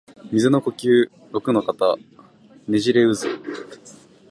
水の呼吸陸ノ型ねじれ渦（ろくのかたねじれうず）